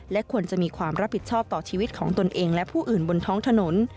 และควรจะมีความรับผิดชอบต่อชีวิตของตนเองและผู้อื่นบนท้องถนน